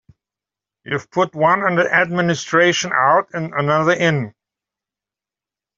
You've put one administration out and another in.